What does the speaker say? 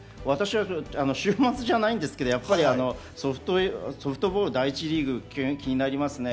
私は週末じゃないんですが、やっぱりソフトボール第１リーグが気になりますね。